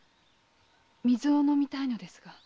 水を飲みたいのですが。